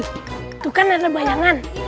itu kan ada bayangan